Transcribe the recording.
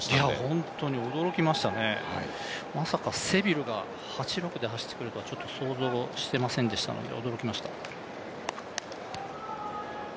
本当に驚きましたね、まさかセビルが８６で走ってくるとはちょっと想像していませんでしたので驚きました。